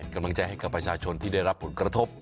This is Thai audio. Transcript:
กำลังใจให้กับประชาชนที่ได้รับผลกระทบ